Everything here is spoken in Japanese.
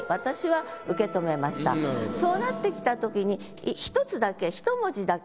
そうなってきた時に１つだけひと文字だけ。